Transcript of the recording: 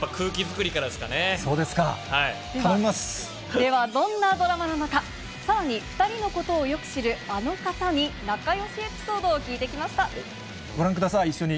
ではどんなドラマなのか、さらに２人のことをよく知る、あの方に、仲よしエピソードを聞ご覧ください、一緒に。